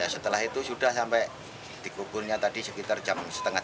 setelah itu sudah sampai dikukurnya sekitar jam setengah delapan